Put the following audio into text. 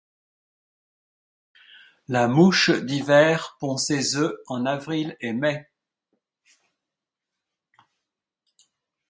La mouche d'hiver pond ses œufs en avril et mai.